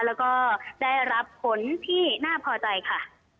แล้วก็ได้รับผลที่น่าพอใจค่ะ